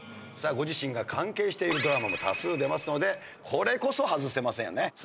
さあご自身が関係しているドラマも多数出ますのでこれこそ外せませんよね。